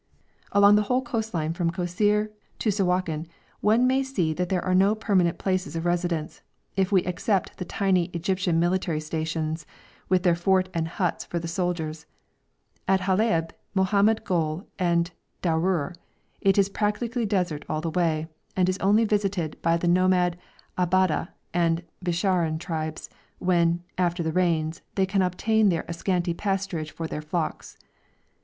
Along the whole coast line from Kosseir to Sawakin one may say that there are no permanent places of residence, if we except the tiny Egyptian military stations, with their fort and huts for the soldiers, at Halaib, Mohammed Gol, and Darour; it is practically desert all the way, and is only visited by the nomad Ababdeh and Bisharin tribes, when, after the rains, they can obtain there a scanty pasturage for their flocks.